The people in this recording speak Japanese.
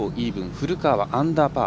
古川、アンダーパー。